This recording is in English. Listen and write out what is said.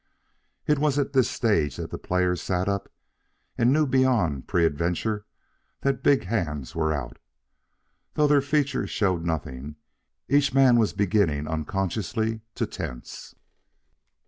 It was at this stage that the players sat up and knew beyond peradventure that big hands were out. Though their features showed nothing, each man was beginning unconsciously to tense.